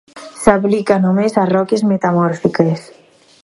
S'aplica només a roques metamòrfiques.